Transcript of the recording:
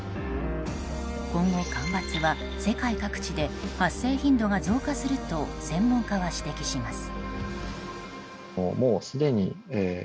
今後、干ばつは世界各地で発生頻度が増加すると専門家は指摘します。